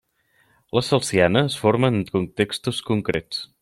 La celsiana es forma en contextos concrets.